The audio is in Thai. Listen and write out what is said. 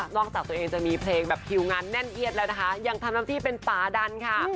จากตัวเองจะมีเพลงแบบคิวงานแน่นเอียดแล้วนะคะยังทำหน้าที่เป็นฝาดันค่ะ